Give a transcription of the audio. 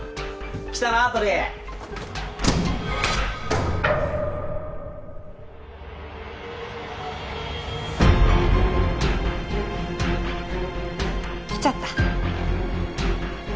来たなトリ。来ちゃった。